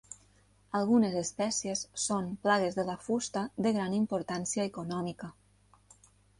Algunes espècies són plagues de la fusta de gran importància econòmica.